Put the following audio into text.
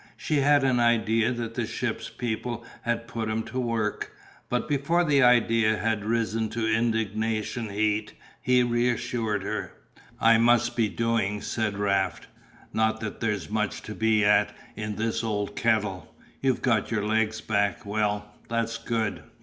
She had an idea that the ship people had put him to work, but before the idea had risen to indignation heat he reassured her. "I must be doing," said Raft. "Not that there's much to be at in this old kettle. You've got your legs back, well, that's good.